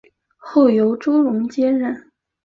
后由周荣接任。